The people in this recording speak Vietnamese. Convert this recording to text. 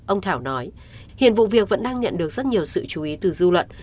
ông thảo nói hiện vụ việc vẫn đang nhận được rất nhiều sự chú ý từ dư luận